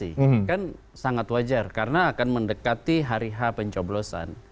ini kan sangat wajar karena akan mendekati hari h pencoblosan